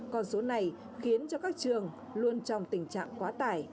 con số này khiến cho các trường luôn trong tình trạng quá tải